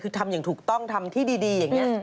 คือทำอย่างถูกต้องทำที่ดีอย่างนี้